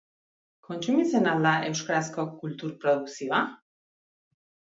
Kontsumitzen al da euskarazko kultur produkzioa?